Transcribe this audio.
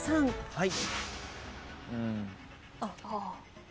はい。